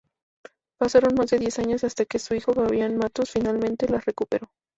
Pasaron más de diez años hasta que su hijo Fabián Matus finalmente las recuperó.